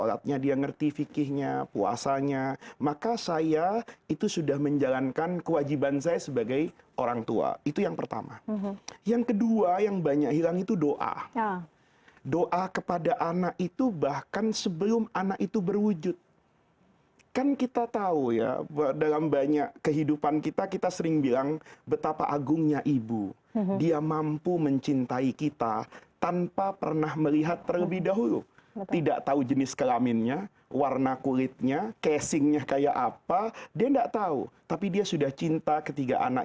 anak punya instagram boleh punya facebook silahkan